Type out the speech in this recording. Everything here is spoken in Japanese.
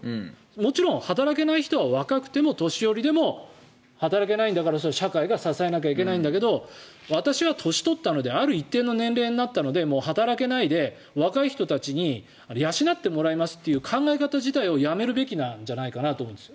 もちろん働けない人は若くても年寄りでも働けないんだからそれは社会が支えなきゃいけないんだけど私は年を取ったのである一定の年齢になったので働けないで若い人たちに養ってもらいますという考え方自体をやめるべきなんじゃないかなと思うんです。